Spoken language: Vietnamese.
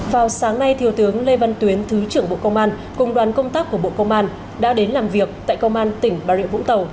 vào sáng nay thiều tướng lê văn tuyến thứ trưởng bộ công an cùng đoàn công tác của bộ công an đã đến làm việc tại công an tỉnh bà rịa vũng tàu